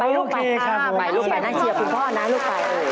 ไปลูกไปนั่งเชียร์คุณพ่อนะลูกกล่าว